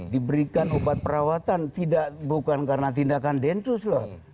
diberikan obat perawatan bukan karena tindakan densus loh